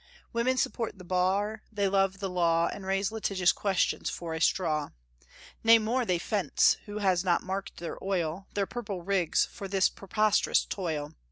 Women support the bar; they love the law, And raise litigious questions for a straw. Nay, more, they fence! who has not marked their oil, Their purple rigs, for this preposterous toil!